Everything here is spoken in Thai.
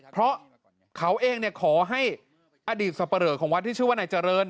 เพราะเขาเองเนี่ยขอให้อดีตสัปเปริย์ของวัดที่ชื่อว่านายเจริญ